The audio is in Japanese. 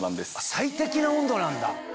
最適な温度なんだ！